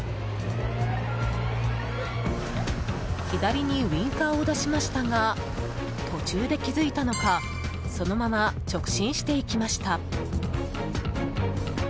左にウインカーを出しましたが途中で気づいたのかそのまま直進していきました。